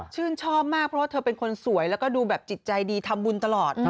ชื่นชอบมากเพราะว่าเธอเป็นคนสวยแล้วก็ดูแบบจิตใจดีทำบุญตลอด